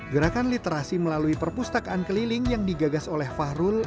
gerakan literasi melalui perpustakaan keliling yang digagas oleh fahrul